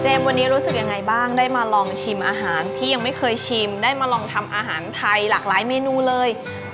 วันนี้รู้สึกยังไงบ้างได้มาลองชิมอาหารที่ยังไม่เคยชิมได้มาลองทำอาหารไทยหลากหลายเมนูเลย